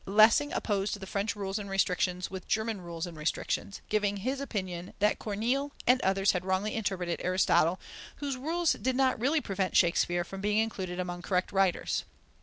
Lessing opposed the French rules and restrictions with German rules and restrictions, giving as his opinion that Corneille and others had wrongly interpreted Aristotle, whose rules did not really prevent Shakespeare from being included among correct writers!